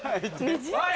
はい？